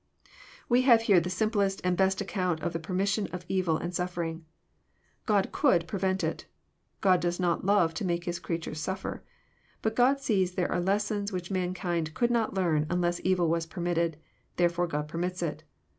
We have here the simplest and best account of the permission of evil and suffering. God couldprevent it." '~Qo6. does^not love to make his creatures suffer. Kut GTod sees there afe'Tessons which mankind contd~not learn unless evil was permitted; therefore God permits it.